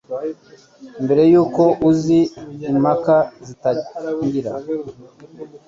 Mbere y'uko izi mpaka zitangira,